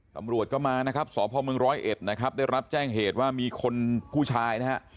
ตำรวจก็มานะครับสพมร้อยเอ็ดนะครับได้รับแจ้งเหตุว่ามีคนผู้ชายนะฮะ